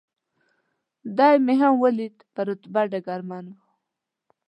دی مې هم ولید، په رتبه ډګرمن و.